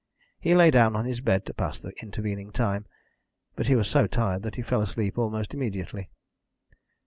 He lay down on his bed to pass the intervening time, but he was so tired that he fell asleep almost immediately.